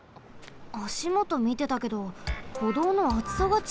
あしもとみてたけどほどうのあつさがちがうの？